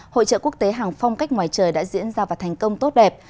hội trợ quốc tế hàng phong cách ngoài trời đã diễn ra và thành công tốt đẹp